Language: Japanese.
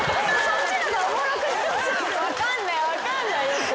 分かんない分かんないよく。